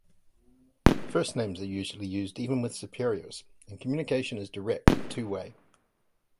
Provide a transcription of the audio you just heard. First names are usually used even with superiors, and communication is direct and two-way.